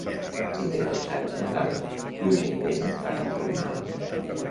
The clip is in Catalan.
Entre Tots Sants i Nadal, pluja i vent faran prou mal.